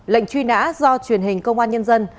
lệnh truy nã do truyền hình công an nhân dân